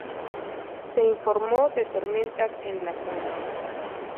Se informó de tormentas en la zona.